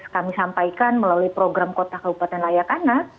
kami sampaikan melalui program kota kabupaten layakana